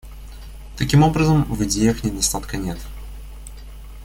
Таким образом, в идеях недостатка нет.